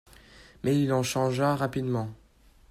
Mais il en changea rapidement.